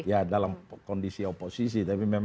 ya dalam kondisi oposisi